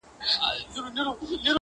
ویل زه که یو ځل ولاړمه ورکېږم.!